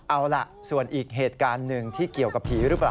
เอาล่ะส่วนอีกเหตุการณ์หนึ่งที่เกี่ยวกับผีหรือเปล่า